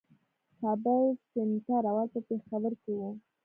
کابل سېنټر اول په پېښور کښي وو.